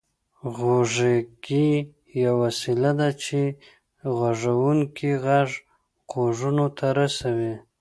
غوږيکې يوه وسيله ده چې د غږوونکي غږ غوږونو ته رسوي